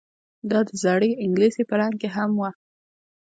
دا د زړې انګلیسي په رنګ کې هم وه